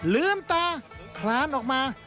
ลืมตาคลานออกมา